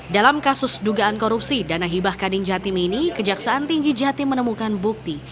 dalam kasus dugaan korupsi dana hibah kading jatim ini kejaksaan tinggi jatim menemukan bukti